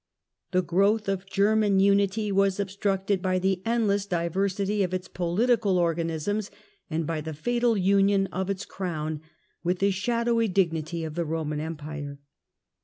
The growth of German unity was obstructed by the endless diversity of its political organisms and by the fatal union of its crown with the shadowy dignity of the Roman Empire.